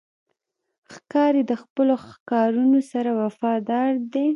ښکاري د خپلو ښکارونو سره وفادار دی.